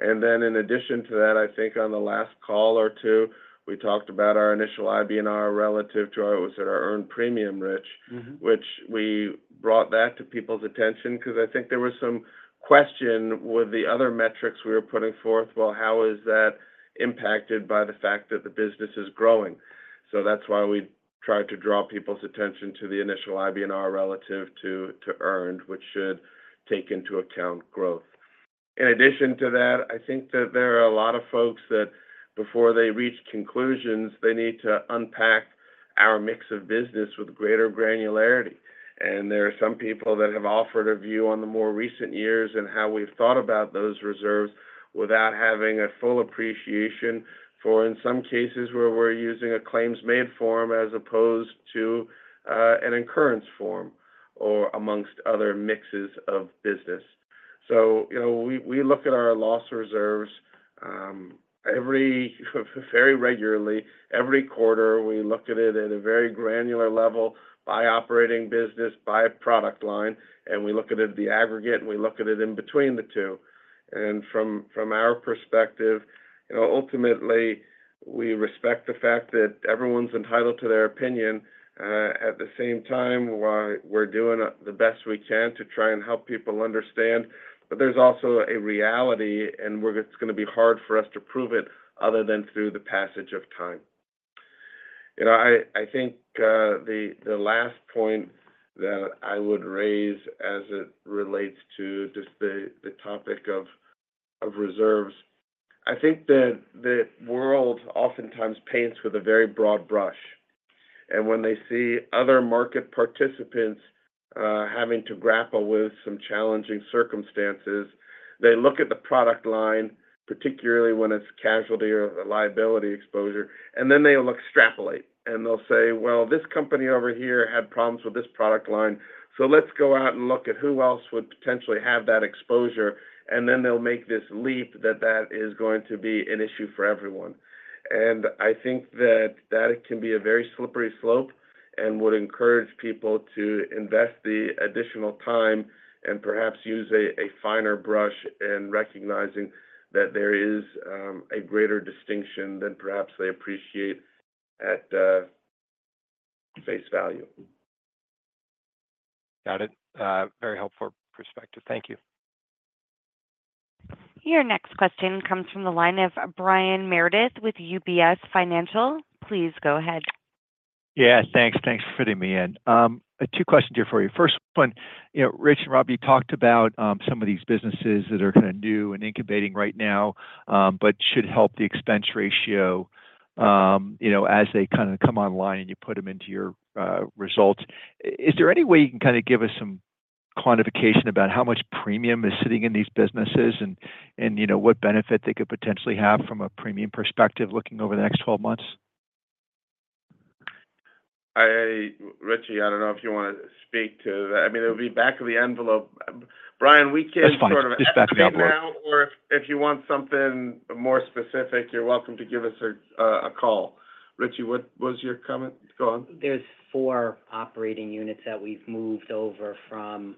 And then in addition to that, I think on the last call or two, we talked about our initial IBNR relative to our, what is it, our earned premium, Rich, which we brought that to people's attention because I think there was some question with the other metrics we were putting forth, well, how is that impacted by the fact that the business is growing, so that's why we tried to draw people's attention to the initial IBNR relative to earned, which should take into account growth. In addition to that, I think that there are a lot of folks that before they reach conclusions, they need to unpack our mix of business with greater granularity, and there are some people that have offered a view on the more recent years and how we've thought about those reserves without having a full appreciation for, in some cases, where we're using a claims-made form as opposed to an occurrence form or among other mixes of business. You know, we look at our loss reserves very regularly. Every quarter, we look at it at a very granular level by operating business, by product line, and we look at it at the aggregate, and we look at it in between the two. From our perspective, you know, ultimately, we respect the fact that everyone's entitled to their opinion. At the same time, while we're doing the best we can to try and help people understand, but there's also a reality, and it's going to be hard for us to prove it other than through the passage of time. You know, I think, the last point that I would raise as it relates to just the topic of reserves, I think that the world oftentimes paints with a very broad brush, and when they see other market participants having to grapple with some challenging circumstances, they look at the product line, particularly when it's casualty or a liability exposure, and then they'll extrapolate, and they'll say, "Well, this company over here had problems with this product line. So let's go out and look at who else would potentially have that exposure," and then they'll make this leap that that is going to be an issue for everyone. I think that that can be a very slippery slope and would encourage people to invest the additional time and perhaps use a finer brush in recognizing that there is a greater distinction than perhaps they appreciate at face value. Got it. Very helpful perspective. Thank you. Your next question comes from the line of Brian Meredith with UBS Financial Services. Please go ahead. Yeah, thanks. Thanks for fitting me in. Two questions here for you. First one, you know, Rich and Rob, you talked about some of these businesses that are kind of new and incubating right now, but should help the expense ratio, you know, as they kind of come online, and you put them into your results. Is there any way you can kind of give us some quantification about how much premium is sitting in these businesses and, and, you know, what benefit they could potentially have from a premium perspective looking over the next twelve months? Rich, I don't know if you want to speak to that. I mean, it would be back of the envelope. Brian, we can sort of. That's fine. Just back of the envelope. Now, or if you want something more specific, you're welcome to give us a call. Rich, what was your comment? Go on. There's four operating units that we've moved over from,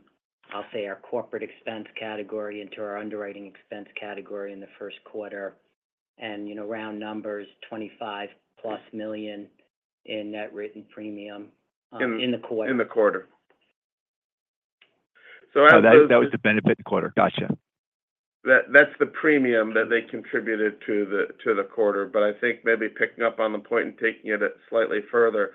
I'll say, our corporate expense category into our underwriting expense category in the first quarter, and, you know, round numbers, $25+ million in net written premium in the quarter. In the quarter. So that was the benefit in the quarter. Gotcha. That's the premium that they contributed to the quarter. But I think maybe picking up on the point and taking it a step further,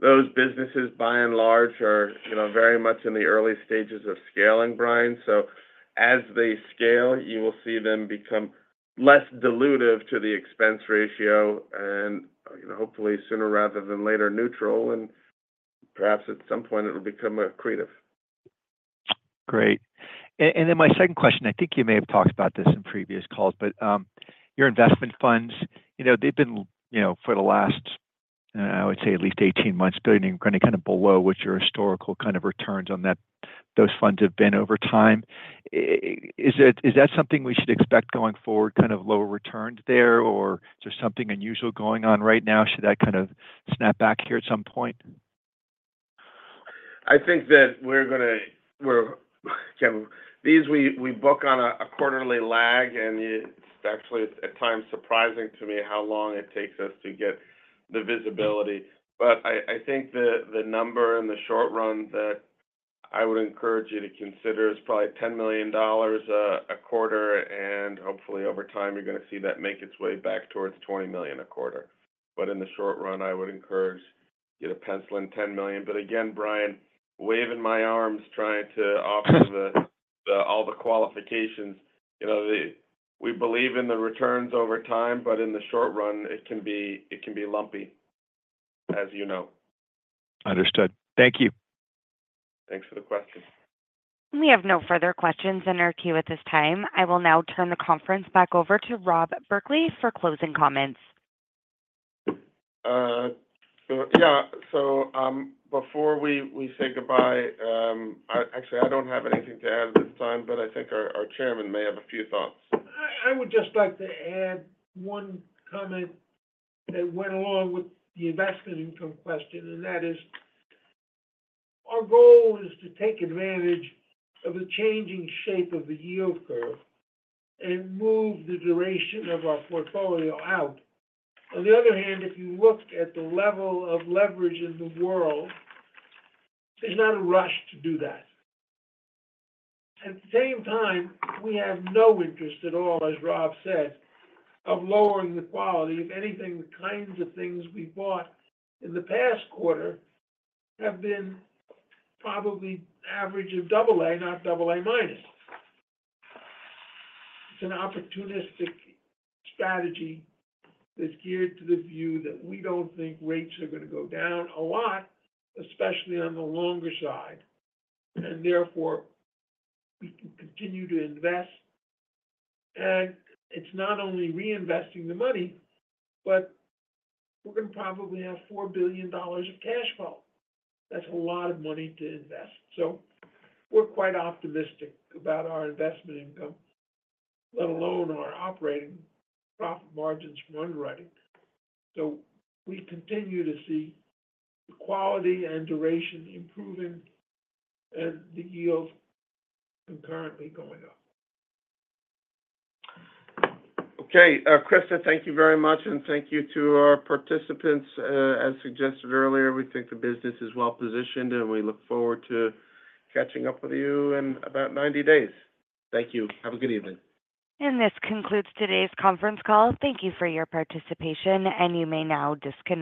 those businesses, by and large, are, you know, very much in the early stages of scaling, Brian. So as they scale, you will see them become less dilutive to the expense ratio and, you know, hopefully sooner rather than later, neutral, and perhaps at some point it will become accretive. Great. And then my second question, I think you may have talked about this in previous calls, but, your investment funds, you know, they've been, you know, for the last, I would say at least eighteen months, going, kind of below what your historical kind of returns on that--- those funds have been over time. Is it- is that something we should expect going forward, kind of lower returns there, or is there something unusual going on right now? Should that kind of snap back here at some point? I think that we're gonna. We book on a quarterly lag, and it's actually at times surprising to me how long it takes us to get the visibility. But I think the number in the short run that I would encourage you to consider is probably $10 million a quarter, and hopefully, over time, you're going to see that make its way back towards $20 million a quarter. But in the short run, I would encourage you to pencil in $10 million. But again, Brian, waving my arms, trying to offer the qualifications. You know, we believe in the returns over time, but in the short run, it can be lumpy, as you know. Understood. Thank you. Thanks for the question. We have no further questions in our queue at this time. I will now turn the conference back over to Rob Berkley for closing comments. So, yeah. Before we say goodbye, actually, I don't have anything to add at this time, but I think our chairman may have a few thoughts. I would just like to add one comment that went along with the investment income question, and that is our goal is to take advantage of the changing shape of the yield curve and move the duration of our portfolio out. On the other hand, if you looked at the level of leverage in the world, there's not a rush to do that. At the same time, we have no interest at all, as Rob said, of lowering the quality. If anything, the kinds of things we bought in the past quarter have been probably average of double A, not double A minus. It's an opportunistic strategy that's geared to the view that we don't think rates are going to go down a lot, especially on the longer side, and therefore, we can continue to invest. And it's not only reinvesting the money, but we're going to probably have $4 billion of cash flow. That's a lot of money to invest. So we're quite optimistic about our investment income, let alone our operating profit margins from underwriting. So we continue to see the quality and duration improving and the yields concurrently going up. Okay. Krista, thank you very much, and thank you to our participants. As suggested earlier, we think the business is well-positioned, and we look forward to catching up with you in about ninety days. Thank you. Have a good evening. This concludes today's conference call. Thank you for your participation, and you may now disconnect.